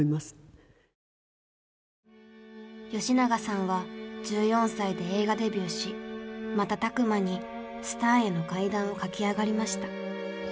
吉永さんは１４歳で映画デビューし瞬く間にスターへの階段を駆け上がりました。